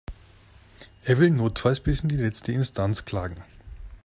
Er will notfalls bis in die letzte Instanz klagen.